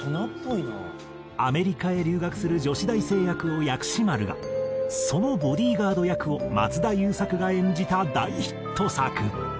アメリカへ留学する女子大生役を薬師丸がそのボディーガード役を松田優作が演じた大ヒット作。